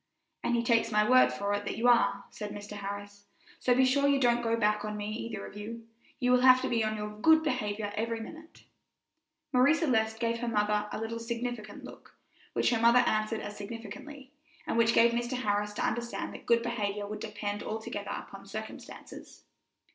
"And he takes my word for it that you are," said Mr. Harris; "so be sure you don't go back on me either of you. You will have to be on your good behavior every minute." Marie Celeste gave her mother a little significant look, which her mother answered as significantly, and which gave Mr. Harris to understand that good behavior would depend altogether upon circumstances.